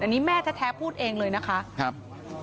อันนี้แม่แท้พูดเองเลยนะคะครับ